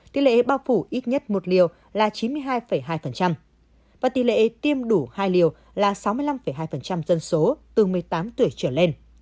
tỷ lệ bao phủ ít nhất một liều là chín mươi hai hai và tỷ lệ tiêm đủ hai liều là sáu mươi năm hai dân số từ một mươi tám tuổi trở lên